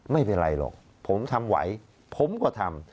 ไม่เป็นไรหรอกผมทำไหวผมก็ทำ